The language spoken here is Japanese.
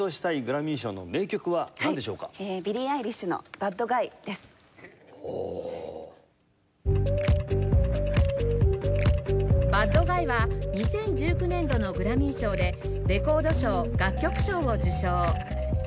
『バッド・ガイ』は２０１９年度のグラミー賞でレコード賞楽曲賞を受賞